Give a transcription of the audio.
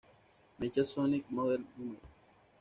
Mecha Sonic Model No.